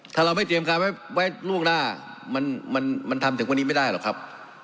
ถ้าเราไม่เตรียมการไว้ล่วงหน้ามันทำถึงวันนี้ไม่ได้หรอกครับ